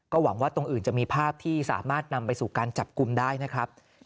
หวังว่าตรงอื่นจะมีภาพที่สามารถนำไปสู่การจับกลุ่มได้นะครับ